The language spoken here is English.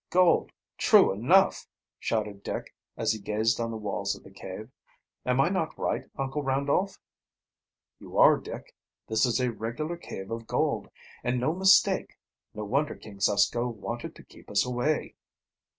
"Gold, true enough!" shouted Dick, as he gazed on the walls of the cave. "Am I not right, Uncle Randolph?" "You are, Dick; this is a regular cave of gold, and no mistake. No wonder King Susko wanted to keep us away!"